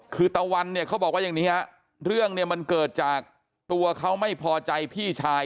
คือตะวันเนี่ยเขาบอกว่าอย่างนี้ฮะเรื่องเนี่ยมันเกิดจากตัวเขาไม่พอใจพี่ชาย